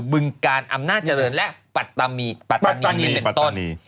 บึงการอำนาจเจริญและปัตตานีเป็นต้น